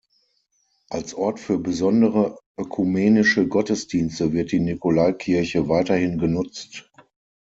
Als Ort für besondere ökumenische Gottesdienste wird die Nikolaikirche weiterhin genutzt.